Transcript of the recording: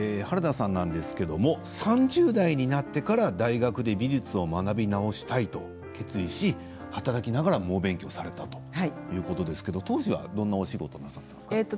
原田さんなんですが３０代になってから大学で美術を学び直したいと決意し働きながら猛勉強をされたということですが当時は、どんなお仕事をされていたんですか？